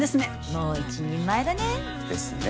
もう一人前だね。ですね。